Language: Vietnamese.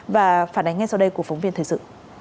và phản ánh ngay sau đây của phóng viên thời sự